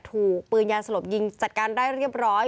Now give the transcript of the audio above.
ถูกปืนยานสลบยิงจัดการได้เรียบร้อย